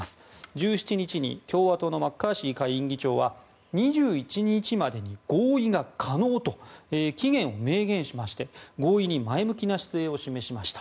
１７日に共和党のマッカーシー下院議長は２１日までに合意が可能と期限を明言しまして合意に前向きな姿勢を示しました。